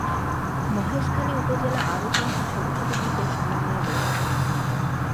মহেশখালী উপজেলা আরো তিনটি ছোট ছোট দ্বীপের সমন্বয়ে গঠিত।